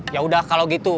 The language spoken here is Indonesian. yaudah kalau gitu